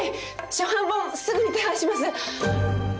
初版本すぐに手配します！